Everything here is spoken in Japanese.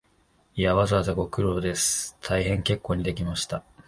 いや、わざわざご苦労です、大変結構にできました